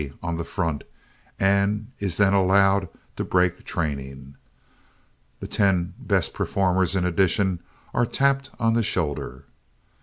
on the front and is then allowed to break training. The ten best performers, in addition, are tapped on the shoulder.